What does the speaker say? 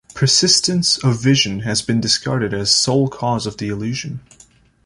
Persistence of vision has been discarded as sole cause of the illusion.